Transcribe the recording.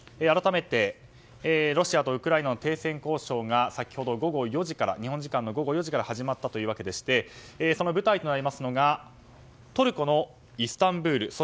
改めて、ロシアとウクライナの停戦交渉が先ほど日本時間の午後４時から始まったということでしてその舞台となるのがトルコのイスタンブール。